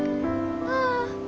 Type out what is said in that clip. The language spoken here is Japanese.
ああ。